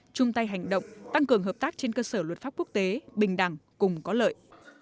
chung tay hành động tăng cường hợp tác trên cơ sở luật pháp quốc tế bình đẳng cùng có lợi